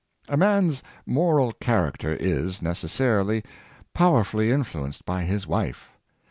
A man's moral character is, necessarily, powerfully influenced by his wife.